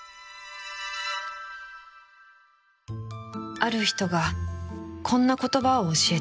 ある人がこんな言葉を教えてくれた